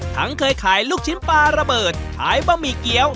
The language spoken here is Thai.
เคยขายลูกชิ้นปลาระเบิดขายบะหมี่เกี้ยว